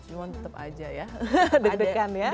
cuma tetep aja ya deg degan ya